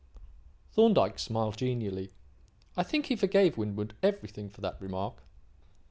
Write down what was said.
Thorndyke smiled genially. I think he forgave Winwood everything for that remark.